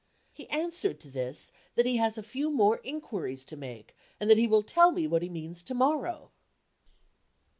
He answered to this, that he has a few more inquiries to make, and that he will tell me what he means to morrow.